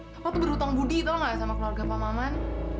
bapak tuh berhutang budi tau gak sama keluarga pak maman